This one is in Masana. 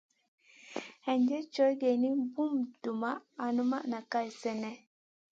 Hinjèd cow geyni, bùn dumʼma al numʼma na kal sènèh.